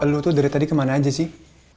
lu tuh dari tadi kemana aja sih